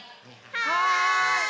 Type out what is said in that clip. はい！